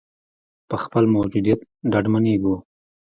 په خپل موجودیت ډاډمنېږو.